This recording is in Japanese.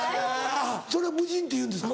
それ無尽っていうんですか。